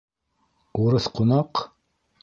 Урыҫ ҡунаҡ?!